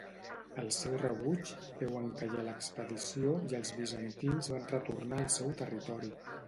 El seu rebuig féu encallar l'expedició i els bizantins van retornar al seu territori.